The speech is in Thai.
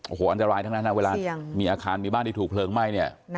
โอ้โหอันตรายทั้งนั้นนะเวลามีอาคารมีบ้านที่ถูกเพลิงไหม้เนี่ย